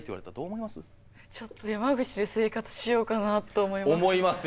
ちょっと山口で生活しようかなと思います。